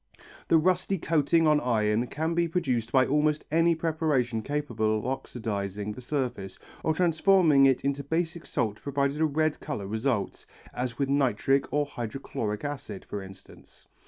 The rusty coating on iron can be produced by almost any preparation capable of oxidizing the surface or transforming it into basic salt provided a red colour results, as with nitric or hydrochloric acid, for instance.